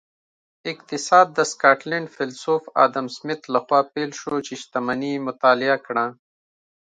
اقتصاد د سکاټلینډ فیلسوف ادم سمیت لخوا پیل شو چې شتمني یې مطالعه کړه